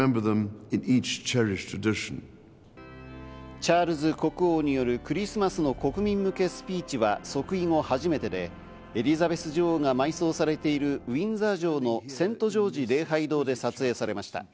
チャールズ国王によるクリスマスの国民向けスピーチは即位後初めてで、エリザベス女王が埋葬されているウィンザー城のセント・ジョージ礼拝堂で撮影されました。